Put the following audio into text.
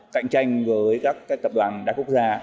cạnh tranh với các tập đoàn đa quốc gia